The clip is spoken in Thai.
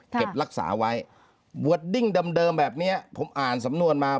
เก็บรักษาไว้เวอร์ดดิ้งเดิมแบบนี้ผมอ่านสำนวนมา